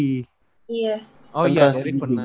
tidak soalnya rik kalo gak salah pernah juga di hitam putih